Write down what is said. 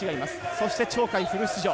そして鳥海フル出場。